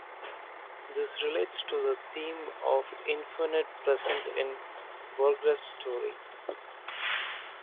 This relates to the theme of infinity present in Borges' story.